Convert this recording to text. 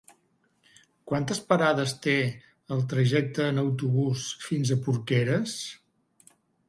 Quantes parades té el trajecte en autobús fins a Porqueres?